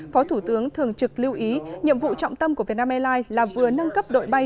phó thủ tướng thường trực lưu ý nhiệm vụ trọng tâm của vietnam airlines là vừa nâng cấp đội bay